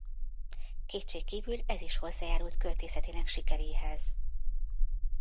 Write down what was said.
Kétségkívül ez is hozzájárult költészetének sikeréhez.